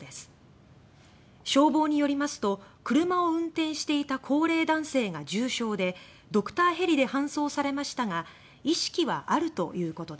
消防によりますと車を運転していた高齢男性が重傷でドクターヘリで搬送されましたが意識はあるということです。